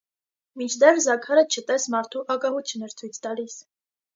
Մինչդեռ Զաքարը չտես մարդու ագահություն էր ցույց տալիս: